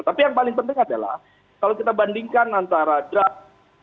tapi yang paling penting adalah kalau kita bandingkan antara draft dua ribu sembilan belas